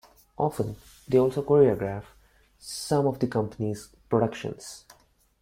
Often they also choreographs some of the company's productions.